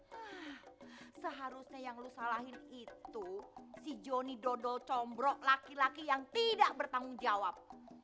hah seharusnya yang lu salahin itu si joni dodol combro laki laki yang tidak bertanggung jawab